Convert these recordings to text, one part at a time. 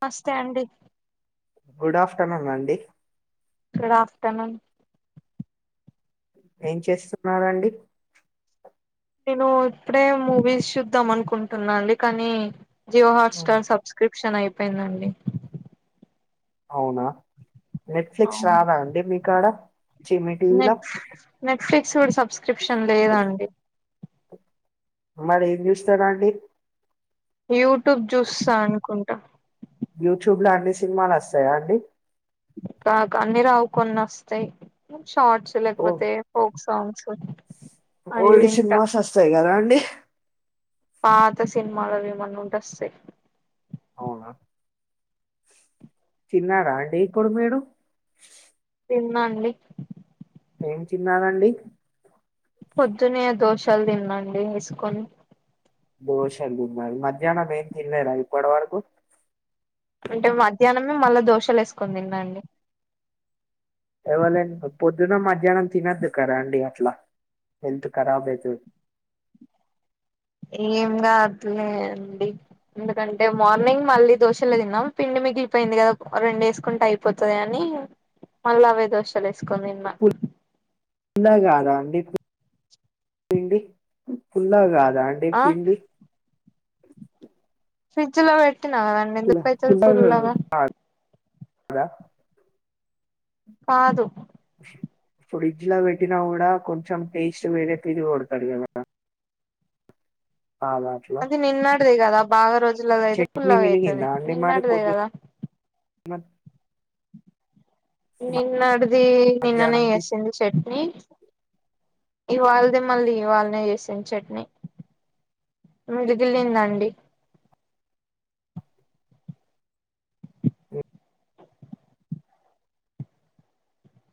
మస్తే అండి గుడాఫ్టర్నూన్ అండి గుడాఫ్టర్నూన్ ఏం చేస్తున్నారండి నేనూ ఇప్పుడే మూవీస్ చూద్దామనుకుంటున్నాండి కానీ జియో ఉమ్, హాట్స్టార్ సబ్స్క్రిప్ క్షనైపెయ్ందండి ఔనా నెట్ఫ్లిక్స్ రాదా అండి మీకాడ చి మీ టీవీలో నెట్ నెట్ఫ్లిక్స్ కూడ్ సబ్స్క్రిప్షన్ లేదండి మరేంజూస్తరండి యువ్టూబ్ జూస్తా అనుకుంట యువ్టూబ్ల అన్ని సిన్మాలొస్తయా అండి రాక్ అన్ని రావ్ కొన్నొస్తయ్ షార్ట్స్ ఓ లేకపొతె ఫోక్ సాంగ్స్ అవి ఓల్డ్ వింటా సిన్మాసొస్తయి గదండి పాత సిన్మాలవి ఎమన్నుంటొస్తయ్ అవునా తిన్నారా అండి ఇప్పుడు మీరు తిన్నా అండి ఏం తిన్నారండి పొద్దునే దోషల్ దిన్నండి ఏస్కొని దోశల్ దిన్నారు మధ్యానం ఏం తిన్లేదా ఇప్పడ్ వరకు అంటె మధ్యానమె మళ్ళ దోషలేస్కొని దిన్నాండి ఎవలన్ పొద్దున మధ్యానం తినద్దు కదాండి అట్ల హెల్త్ ఖరాబైతది ఏం గాద్ లేండి ఎందుకంటె మార్నింగ్ మళ్ళి దోశలె దిన్నాం పిండి మిగిల్పెయ్ ది గదప్ రెండేస్కుంటె అయిపోతదని మళ్ళా అవ్వే దోషాలేస్కోన్ దిన్న ఫుల్లగాదా అండి పిండి ఫుల్లగాద్ దామడి ఆ పిండి ఫ్రిజ్జ్ లో పెట్టిన గదండి ఎందుకైతది పుల్లగ కద కాదు ఫ్రిడ్జ్ ల వెట్టినా గూడా కొంచం టేస్ట్ వేరే తిరి గొడతది గద అది నిన్నడ్ది గద బాగ రోజులదైతె చట్నీ పుల్లగైతది మిలిగిందా నిన్నడ్దె గద మద్ నిన్నడ్ది నిన్ననే మధ్యాహ్నంకి జేసింది చట్ని ఇవాళ్ది మళ్ ఇవాల్నె చేసిన్ చట్ని మిలిగిలిందండి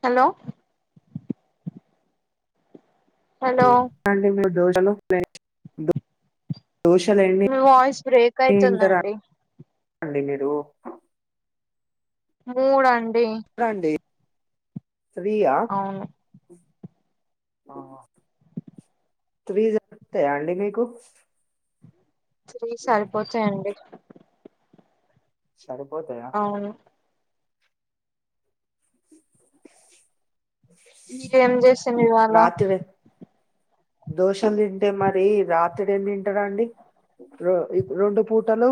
హలో హలో అండి మీరు దోశలు రైట్ మీ వ్వాయ్స్ బ్రేక్ తింటారా అయితుందండి అండి మీరు ముడన్ రండి ఫ్రీ అ అవును ఆ త్రి సరిపోతాయండి మీకు త్రి సరిపోతాయండి సరిపోతాయా అవును మీరు ఏం చేసిన్రువాలా రాత్రి దోశలు తింటే మరి రాత్రి ఏం తింటారండి రొ రెండు పూటలు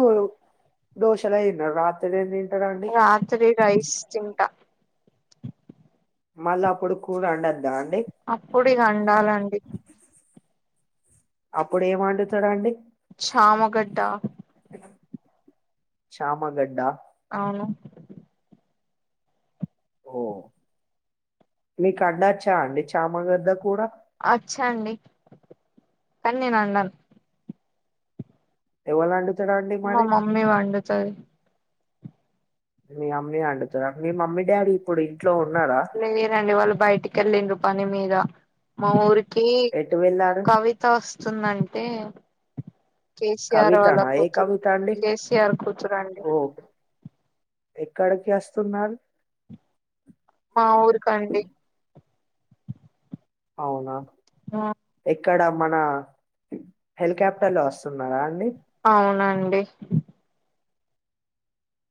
దోశలై అయిన్నారు రాత్రి తింటారా అండి రాత్తిరి రైస్ తింటా మళ్ళీ అప్పుడు కూర ఒండదా అప్పుడు ఇక వండాలండి అప్పుడు ఏం వండుతారండీ చామ గడ్డ చామగడ్డా అవును ఓ మీకు అడచ్చా అండి చామగడ్డా కూరా అచ్చాఅండి కానీ నేను వాండను ఎవలాండు మా మమ్మీ వండుతది మీ మమ్మీ వండుతాద మీ మమ్మీ డాడీ ఇప్పుడు ఉన్నారా లేరండి వాళ్ళు బయటికి వెళ్లింరు పని మీద మా ఊరి కి ఎటు వెళ్ళారు కవిత వస్తుందంటే కేసీఆర్ వాళ్ళ కవితనా ఏ కూతురు కవిత అండి కేసీఆర్ కూతురండి ఓ ఎక్కడుకియాస్తునారు మా ఊరికండి అవునా ఆ ఇక్కడ మన హెలికాప్టర్ లో వస్తున్నారా అండి టే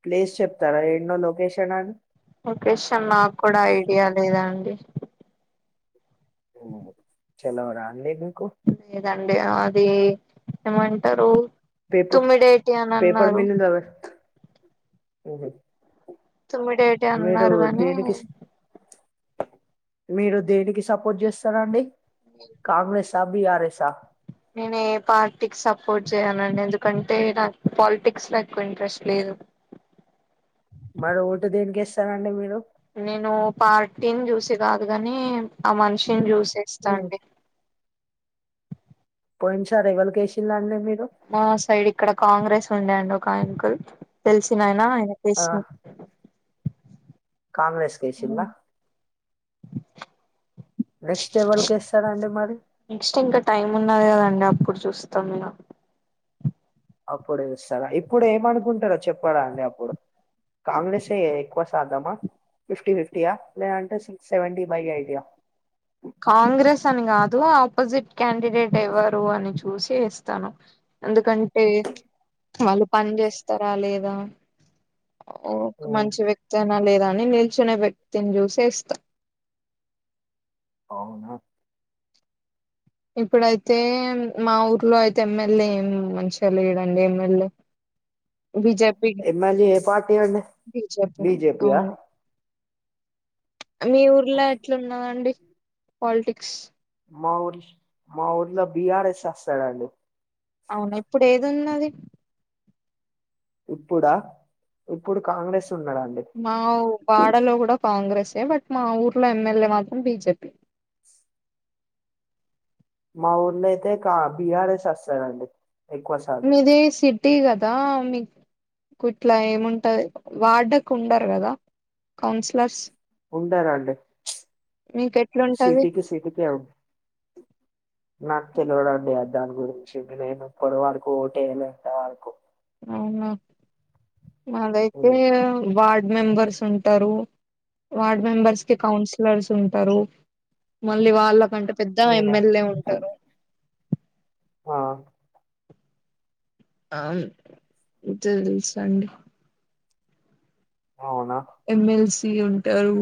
ప్లేస్ చెప్తారా ఎన్నో లొకేషన్ అని లొకేషన్ నాకు కూడా ఐడియా లేదాండి హ్మ్ చాలావ్రండి మీకు దంది అది ఏమంటారు పేపర్ తుమ్మిడేటి అని అన్నారు ఓహ తుమ్మిడేటి అన్నారు గాని మీరు దేనికి సపోర్ట్ చేస్తారండి కాంగ్రెసా బిఆర్ఎసా నేను ఏ పార్టీకి సపోర్ట్ చేయనండి ఎందుకంటే నాకు పాలిటిక్స్లో ఎక్కువ ఇంట్రెస్ట్ లేదు మరి ఓటు దేనికేస్తారండీ మీరు నేను పార్టీని చూసి కాదు కాని ఆ మనిషిని చూసి తెస్స్తాండి కొంచం రేవలకేసిందండి మీక్ మా సైడ్ ఇక్కడ కాంగ్రెస్ ఉండేండి ఒక ఆయ్నకుల్ తెలిసినై నా ఆ అయనకేశ్నం కాంగ్రెస్ కేసిన్రా ఎవరికి వేస్తారండి మరి నెక్స్ట్ ఇంకా టైం ఉన్నది కదండి అప్పుడు చూస్తాం ఇగ అప్పుడు చూస్తారా ఇప్పుడు ఏమనుకుంటారో చెప్పరా అండి అప్పుడు కాంగ్రెసే ఎక్కువ సాధమా ఫిఫ్టీ ఫిఫ్టీయా లే అంటే సిక్స్ సెవెంటీ బై ఎయ్టియ్య అపోజిట్ క్యాండిడేట్ ఎవ్వరు అని చూసి ఇస్తాను ఎందుకంటే వాళ్ళు పన్చేస్తారా లేదా ఒక మంచి వ్యక్తి అయినా లేదా అని నిల్ చూనే వ్యక్తిని చ్యూసేస్తా అవునా ఇప్పుడైతే మా ఊర్లో అయితే ఎమ్మెల్యే ఏం మంచిగాలేడండి ఎమ్మెల్యే బీజేపీ ఎమ్మెల్యే ఏ పార్టీ అంటడి బీజేపీ బిజెపియా అవును మీ ఊర్లో ఎట్లున్నాదండి పాలిటిక్స్ మా ఊరి మా ఊర్లో బిఆర్ఎస్ వస్తాదండి అవునా ఇప్పుడు ఏది ఉన్నది ఇప్పుడా ఇప్పుడు కాంగ్రెస్ ఉన్నాడండి మా వాడాలోకూడా కాంగ్రెసే బట్ మా ఊర్లో ఎమ్మెల్యే మాత్రం బిజెపి మా ఊర్ళ అయితే కా బిఆర్ఎస్ వస్తాదండీ మీది సిటీ కదా మీ ఇట్లా ఏముంటది వార్డ్కు ఉండరు కదా కౌన్సిలర్స్ ఉండారండి మీకు ఎట్లుంటది సిటీకి సిటికే నాకు తెలివదండి ఆ దాని గురించి నేను ఇప్పుడు వల్కి ఓటుేయ్యాలంట వళ్కు అవునా మదైతే వాడ్ మెంబర్స్ ఉంటారు వార్డ్ మెంబర్స్కి కౌన్సిలర్స్ ఉంటారు మళ్ళీ వాళ్ళకంటే పెద్దగ నేనా ఎమ్మెల్యే ఉంటారు ఆ ఔను తెలుసు అండి అవునా ఎమ్మెల్సీ ఉంటారు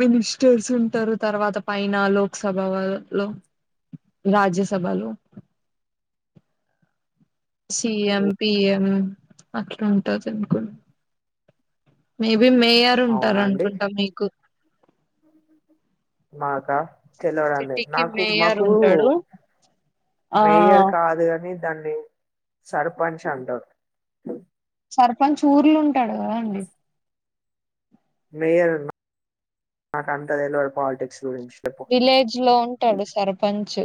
మినిస్టర్స్ ఉంటారు తర్వాత పైన లోక్ సభ వాళ్ లో రాజ్యసభలో సిఎం పిఎం అట్లా ఉంటుంది అనుకున్నా మేబ్ బి మేయర్ ఉంటారు అనుకుంటా మీకు మాక తెల్వదండి సిటీకి నాకు మేయర్ మాకు ఉంటాడు ఆ మేయర్ కాదు కాని దాన్ని సర్పంచ్ అంటరు సర్పంచ్ ఊర్లు మేయర్ ఉన్నా నాకు అంత తెల్వద్ పాలిటిక్స్ గురించి చెప్పు విలేజ్లో ఉంటాడు సర్పంచ్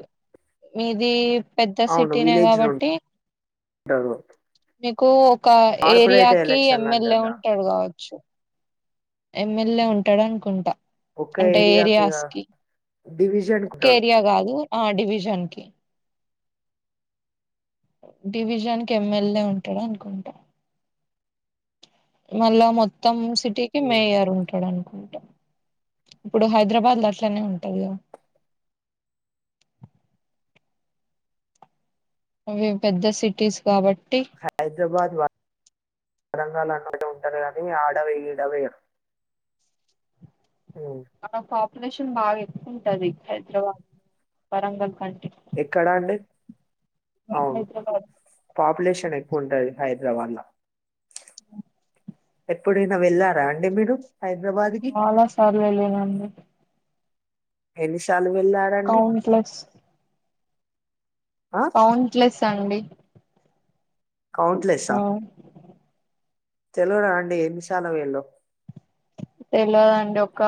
మీది పెద్ద సిటీనే కాబట్టి ప్పడివృ మీకు ఒక ఏరియాకిి ఎలక్షన్లు ఎమ్మెల్యే అంటారు దా ఉంటాడు కావచ్చు ఎమ్మెల్యే ఉంటాడు అనుకుంటా ఒక్క అంటే ఏరియాకి ఏరియాస్కి డివిజన్ ఒక కుంటాడు ఏరియా కాదు ఆ డివిజన్కి డివిజన్కి ఎమ్మెల్యే ఉంటాడు అనుకుంటా మళ్ళా మొత్తం సిటీకి మేయర్ ఉంటాడు ఇప్పుడు హైదరాబాద్లో అట్లనే ఉంటాందిగా మీవి పెద్ద సిటీస్ కాబట్టి హైదరాబాద్ వా తరంగాలు అన్నిటి ఉంటారు కానీ ఆడవి ఈడవై ఆడ పాపులేషన్ బాగా ఎక్కువ ఉంటది హైదరాబాద్ వరంగల్ కంటే ఎక్కడ అండి అవును హైదరాబాద్ పాపులేషన్ ఎక్కువుంటది హైదరాబాద్లా ఎప్పుడైనా వెళ్ళారా అండి మీరు హైదరాబాద్ కి చాలా సర్లే వెళ్లినండి ఎన్నిసార్లు వెళ్ళారండి కౌంట్ల్స్ ఆ కౌంట్లెస్ అండి ఆ కౌంట్లెస్సా తెల్వదండి ఎన్ని సార్లుపోయినరో తెల్వదండి ఒక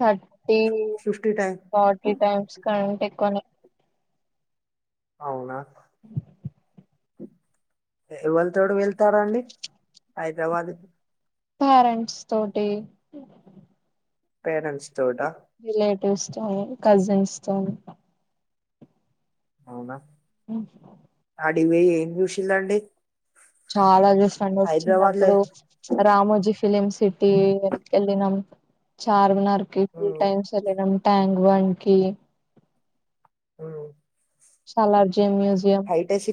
thirty fifty time forty times కంట ఎక్కువనే అవునా ఎవళ తోడు వెళ్తారండి హైదరాబాదు పేరెంట్స్ తోటి పేరెంట్స్ తోట స్టారు కజిన్స్తోని అవునా అ అడిక ఏం చూసింరండి చాలా చూసిన్నండి లో వచిన్నప్పుడు రామోజీ ఫిలిమ్ సిటీ వెల్కెళ్లినం చార్మినార్కి ఉమ్ ఫుల్ టైమ్స్ వెళ్లినం ట్యాంక్బండికి ఉమ్ సాలార్జే మ్యూజయంమ్ హైటెక్ సి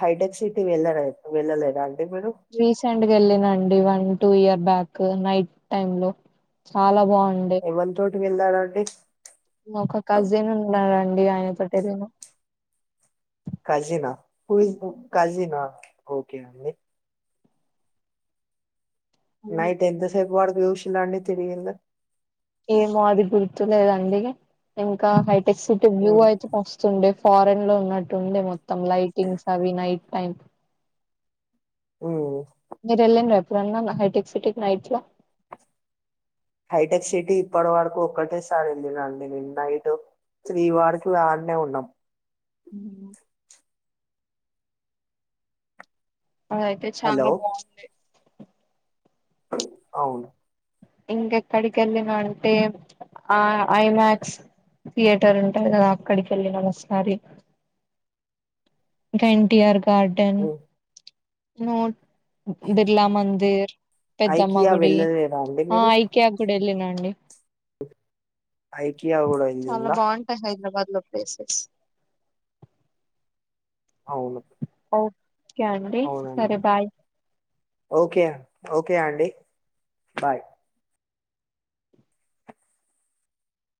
హైటెక్ సిటీ వెళ్ళ వెళ్ళలేదండి రీసెంట్గాలినండి one two year back night టైంలో చాలా బాగు ఎవ్వాతోటి వెళ్లారండి ఒక కజిన్లాగండి ఆయనతోటివెళ్లిన కజినా కాజీనా ఓకే అండి నైట్ ఎంత సేపు వడ చూసింరండి తిరిగింరు ఏమో అది గుర్తులేదండి ఇంకా హైటెక్ సిటివ్వ్యూ ఉమ్ అయితే మస్తుండే ఫారెన్లో ఉన్నట్టు ఉండే మొత్తం లైటింగ్స్ అవి నైట్ టైం ఓ మీరు ఎళ్ళన్లా ఎప్పుడన్నా హైటెక్ సిటిక్ నైట్లా హైటెక్ సిటీ ఇప్పటి వరకు ఒక్కటే సారి వెళ్ళిన అండి నేను నైట్ శ్రీవాడికి ఆన్నే ఉన్నాం అ అదయితే హలో చాలా బాగుంది అవును ఇంగ ఎక్కడికి ఎల్లినా అంటే ఆ ఐ మ్యాక్స్ థియేటర్ ఉంటది కదా ఆక్కడికి వెల్లినము ఒకసారి ఇంకా ఎన్టీఆర్ గార్డెన్ ఉమ్ నొ బిర్లా మందిర్ పెద్దమ్మ ఐకియా గుడి వెళ్ళలేదా అండి ఆ మీరు ఐక్య గుడి వెళ్ళిన అండి ఐకియా కూడా చాలా వెళ్ళిల్లా బాగుంటాయి హైదరాబాద్ లో పేసెస్ అవును ఓకే అండి అవునండి సరే బాయ్ ఓకే ఓకే అండి బాయ్